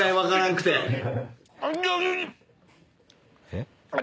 えっ？